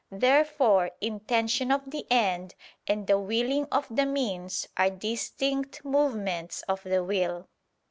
Therefore intention of the end and the willing of the means are distinct movements of the will.